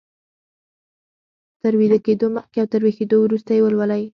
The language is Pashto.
تر ويده کېدو مخکې او تر ويښېدو وروسته يې ولولئ.